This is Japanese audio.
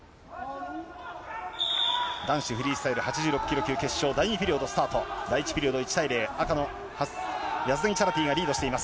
男子フリースタイル８６キロ級決勝、第２ピリオドスタート、第１ピリオド１対０、ヤズダニチャラティがリードしています。